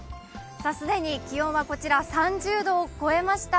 既に気温は３０度を超えました。